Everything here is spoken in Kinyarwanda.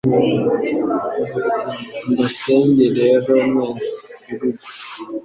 Mbasenge rero mwese. I RUGWE